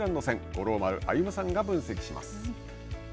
五郎丸歩さんが分析します。